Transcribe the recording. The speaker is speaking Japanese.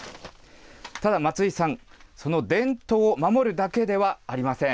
ただ、松井さん、その伝統を守るだけではありません。